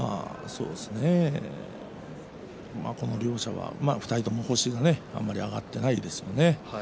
この両者は２人とも星があまり挙がってないですね。